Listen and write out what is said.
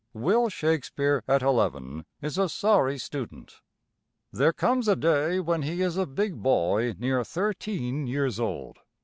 Will Shakespeare at eleven is a sorry student. There comes a day when he is a big boy near thirteen years old.